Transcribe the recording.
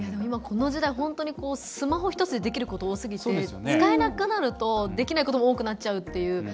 この時代、本当にスマホ１つでできること多すぎて使えなくなるとできないことも多くなっちゃうっていう。